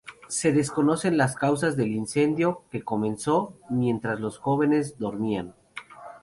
Se desconocen las causas del incendio, que comenzó mientras los jóvenes dormían.